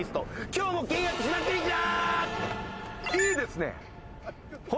今日も契約しまくりじゃ。